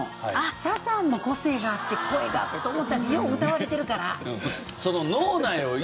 サザンも個性があって声がと思ったよう歌われてるから。